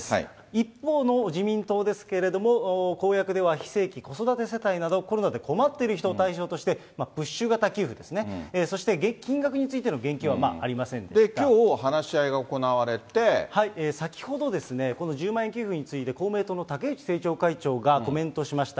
一方の自民党ですけれども、公約では非正規、子育て世帯などコロナで困っている人を対象として、プッシュ型給付ですね、そして金額についての言及はありませんできょう、先ほど、この１０万円給付について公明党の竹内政調会長がコメントしました。